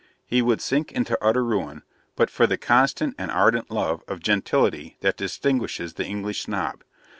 He would sink into utter ruin, but for the constant and ardent love of gentility that distinguishes the English Snob.